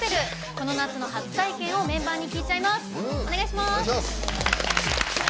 この夏の初体験をメンバーに聞いちゃいます。